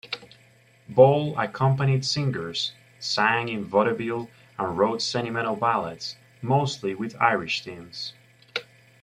Ball accompanied singers, sang in vaudeville and wrote sentimental ballads, mostly with Irish themes.